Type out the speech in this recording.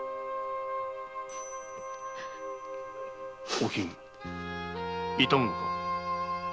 おきん痛むのか？